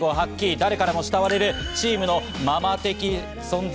誰からも慕われるチームのママ的存在。